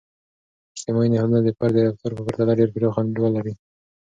اجتماعي نهادونه د فرد د رفتار په پرتله ډیر پراخ انډول لري.